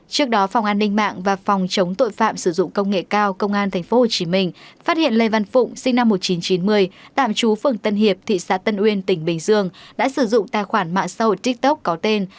trước đó phòng an ninh mạng và phòng chống tội phạm sử dụng công nghệ cao công an tp hcm phát hiện lê văn phụng sinh năm một nghìn chín trăm chín mươi tạm trú phường tân hiệp thị xã tân uyên tỉnh bình dương đã sử dụng tài khoản mạng xã hội tiktok có tên